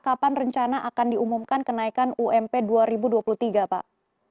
kapan rencana akan diumumkan kenaikan ump dua ribu dua puluh tiga pak